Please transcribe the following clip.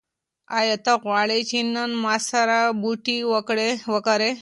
ایا ته غواړې چې نن ما سره بوټي وکرې؟